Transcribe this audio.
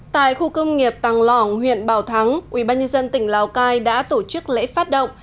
tại khu công nghiệp tàng lỏng huyện bảo thắng ubnd tỉnh lào cai đã tổ chức lễ phát động